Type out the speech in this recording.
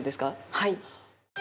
はい。